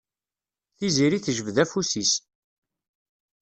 Tiziri tejbed afus-is.